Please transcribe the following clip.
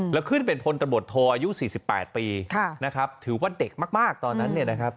และขึ้นเป็นพลตะบดโทอายุ๔๘ปีถือว่าเด็กมากตอนนั้น